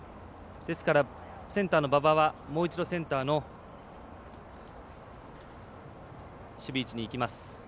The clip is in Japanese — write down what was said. センターの馬場はもう一度センターの守備位置に行きます。